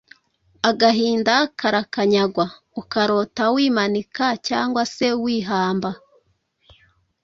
agahinda karakanyagwa, ukarota wimanika cyangwa se wihamba